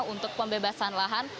untuk pembebasan lahan